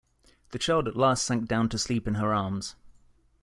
The child at last sank down to sleep in her arms.